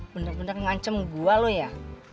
bener bener ngancem gue lo ya